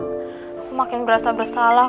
aku makin berasa bersalah